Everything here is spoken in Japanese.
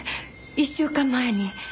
１週間前に。